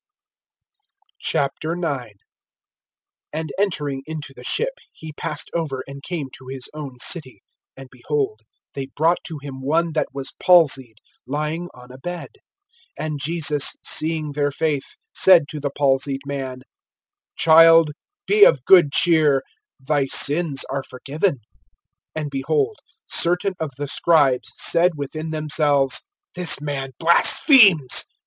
IX. AND entering into the ship he passed over, and came to his own city. (2)And, behold, they brought to him one that was palsied, lying on a bed. And Jesus, seeing their faith, said to the palsied man: Child, be of good cheer; thy sins are forgiven. (3)And, behold, certain of the scribes said within themselves: This man blasphemes.